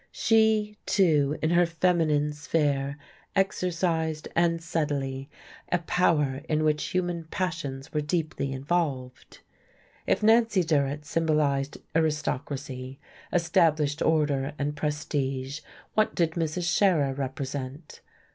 She, too, in her feminine sphere, exercised, and subtly, a power in which human passions were deeply involved. If Nancy Durrett symbolized aristocracy, established order and prestige, what did Mrs. Scherer represent?